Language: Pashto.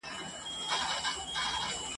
زه د حق په نوم راغلی زه له خپلي ژبي سوځم !.